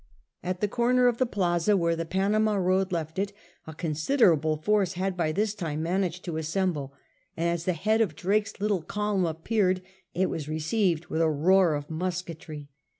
At the comer of the Plaza where the Panama road left it a considerable force had by this time managed to assemble, and as the head of Drake's little column appeared it was received with a roar of musketry.